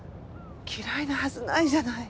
嫌いなはずないじゃない。